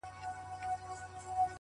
صدقه دي تر تقوا او تر سخا سم ـ